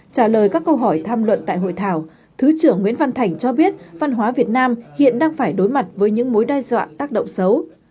trả lời các câu hỏi tham luận tại hội thảo thứ trưởng nguyễn văn thành cho biết văn hóa việt nam hiện đang phải đối mặt với những mối đe dọa tác động xấu